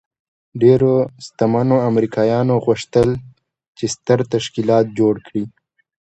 ډېرو شتمنو امریکایانو غوښتل چې ستر تشکیلات جوړ کړي